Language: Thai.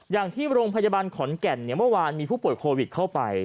อย่างที่โรงพยาบาลขอนแก่นเมื่อวานมีผู้ป่วยโควิดเข้าไป